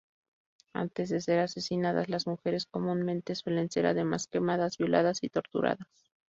Antes de ser asesinadas, las mujeres comúnmente suelen ser además quemadas, violadas y torturadas.